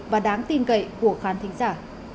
và đáng tin cậy của khán thính giả